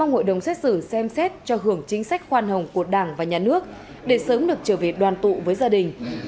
hội đồng xét xử xem xét cho hưởng chính sách khoan hồng của đảng và nhà nước để sớm được trở về đoàn tụ với gia đình